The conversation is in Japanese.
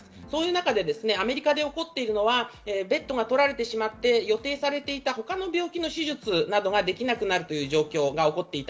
その中でアメリカで起こっているのはベッドが取られてしまって予定されていた他の病気の手術などができなくなる状況です。